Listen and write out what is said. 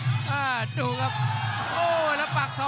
กรรมการเตือนทั้งคู่ครับ๖๖กิโลกรัม